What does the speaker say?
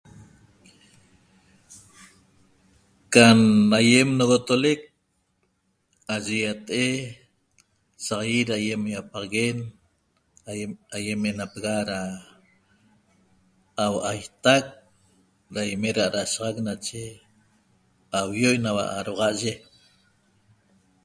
Cam aiem noxotoleq aye iatee saia iapaxaguen ayem menapexa da auaitaq da ime da adasaxaq nache ayo ena aluaaye